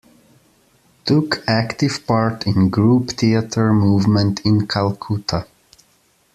Took active part in group theatre movement in Calcutta.